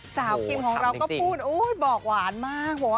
สาวคิมของเราก็พูดโอ้ยบอกหวานมาก